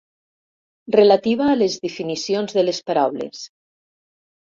Relativa a les definicions de les paraules.